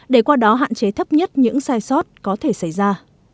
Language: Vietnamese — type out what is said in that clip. để qua đó hạn chế thấp nhất những sai sót có thể xảy ra